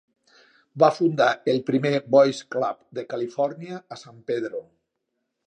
Va fundar el primer Boys Club de Califòrnia a San Pedro.